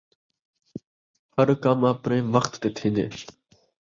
ہر کم آپݨے وخت تے تھین٘دے